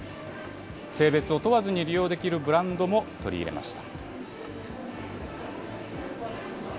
性別を問わずに利用できるブランドも取り入れました。